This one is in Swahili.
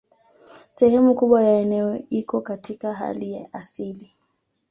Sehemu kubwa ya eneo iko katika hali ya asili